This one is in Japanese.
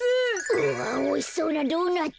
うわっおいしそうなドーナツ。